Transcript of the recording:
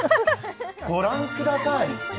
ご覧ください！